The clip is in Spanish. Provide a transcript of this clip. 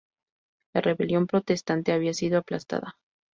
La rebelión protestante había sido aplastada.